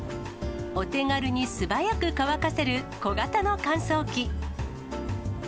お手軽に素早く乾かせる小型の乾燥機。